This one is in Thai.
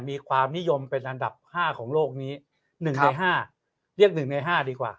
มีความนิยมเป็นอันดับห้าของโลกนี้หนึ่งในห้าเรียกหนึ่งในห้าดีกว่า